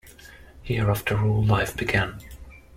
Here, after all, life began.